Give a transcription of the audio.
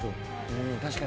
確かに。